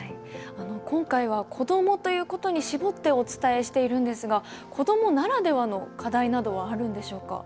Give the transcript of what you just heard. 今回は子どもということに絞ってお伝えしているんですが子どもならではの課題などはあるんでしょうか？